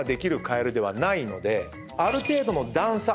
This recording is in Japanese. ある程度の段差。